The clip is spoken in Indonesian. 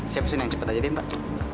siapkan yang cepet aja deh mbak